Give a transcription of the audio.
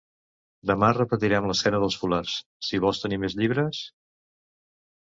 Demà repetirem l'escena dels fulards, si vols tenir més llibres...